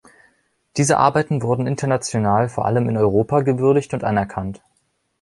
Diese Arbeiten wurden international vor allem in Europa gewürdigt und anerkannt.